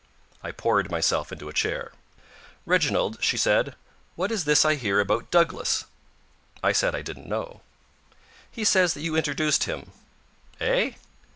I poured myself into a chair. "Reginald," she said, "what is this I hear about Douglas?" I said I didn't know. "He says that you introduced him." "Eh?"